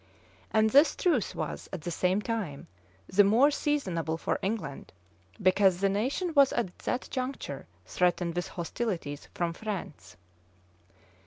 And this truce was, at the same time, the more seasonable for England, because the nation was at that juncture threatened with hostilities from France.